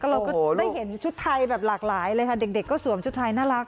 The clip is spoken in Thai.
เราก็ได้เห็นชุดไทยแบบหลากหลายเลยค่ะเด็กก็สวมชุดไทยน่ารัก